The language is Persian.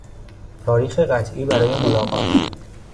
تاریخ قطعی برای ملاقات